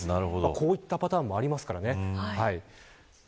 こういったパターンもありますからね。